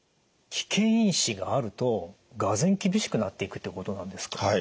危険因子があるとがぜん厳しくなっていくってことなんですか？